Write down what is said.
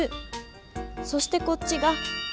そしてこっちが４。